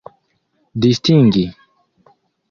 distingi